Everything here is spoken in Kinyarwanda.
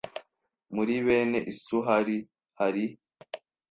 muri bene Isuhari hari